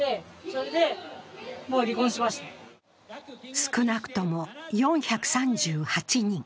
少なくとも４３８人。